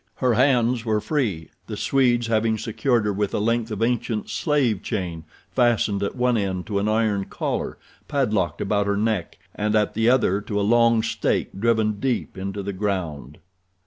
Her hands were free, the Swedes having secured her with a length of ancient slave chain fastened at one end to an iron collar padlocked about her neck and at the other to a long stake driven deep into the ground.